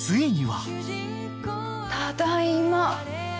ただいま。